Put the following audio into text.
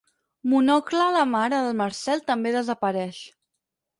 Monocle la mare del Marcel també desapareix.